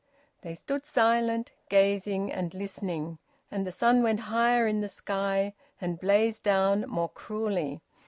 They stood silent, gazing and listening. And the sun went higher in the sky and blazed down more cruelly.